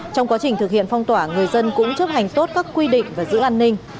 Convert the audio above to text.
trong quá trình thực hiện phong tỏa người dân cũng chấp hành tốt các quy định và giữ an ninh